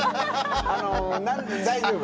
あの大丈夫。